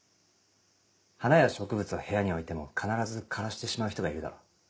花や植物を部屋に置いても必ず枯らしてしまう人がいるだろ。